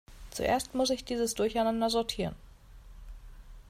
Zuerst muss ich dieses Durcheinander sortieren.